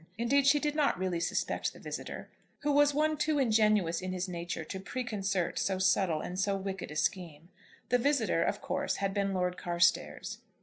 Indeed she did not really suspect the visitor, who was one too ingenuous in his nature to preconcert so subtle and so wicked a scheme. The visitor, of course, had been Lord Carstairs.